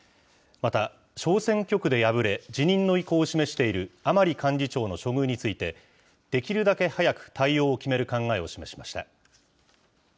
また、小選挙区で敗れ、辞任の意向を示している甘利幹事長の処遇について、できるだけ早く対応を決める考えを示しました。